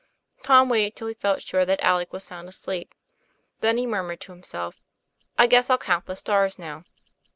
Tom waited till he felt sure that Alec was sound asleep. Then he murmured to himself: 'I guess I'll count the stars now."